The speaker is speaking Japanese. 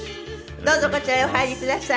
どうぞこちらへお入りください。